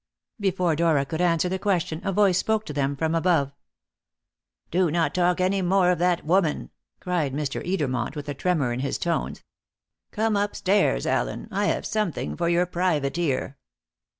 Before Dora could answer the question, a voice spoke to them from above. "Do not talk any more of that woman," cried Mr. Edermont with a tremor in his tones. "Come upstairs, Allen; I have something for your private ear."